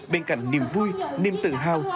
bên cạnh niềm vui niềm tự hào